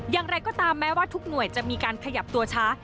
อย่างไรก็ตามแม้ว่าทุกหน่วยจะมีการขยับตัวช้า